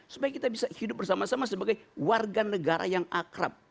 supaya kita bisa hidup bersama sama sebagai warga negara yang akrab